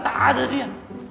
tak ada dia